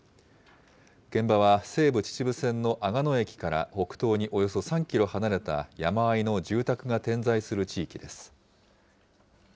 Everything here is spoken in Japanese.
現場は西武秩父線の吾野駅から北東におよそ３キロ離れた山あいの住宅が点在する地域です。